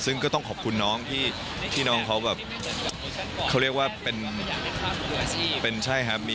ซึ่งก็ต้องขอบคุณน้องที่น้องเขาเขาเรียกว่าเป็นใช่ครับ